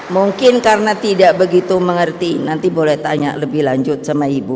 mungkin karena tidak begitu mengerti nanti boleh tanya lebih lanjut sama ibu